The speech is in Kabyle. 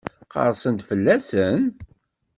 Qerrsen-d fell-asen?